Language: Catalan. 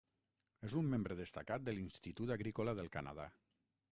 És un membre destacat de l"Institut Agrícola del Canadà.